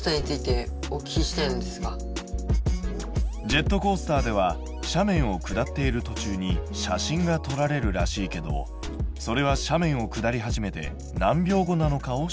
ジェットコースターでは斜面を下っているとちゅうに写真が撮られるらしいけどそれは斜面を下り始めて何秒後なのかを質問。